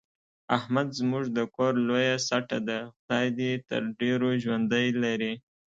احمد زموږ د کور لویه سټه ده، خدای دې تر ډېرو ژوندی لري.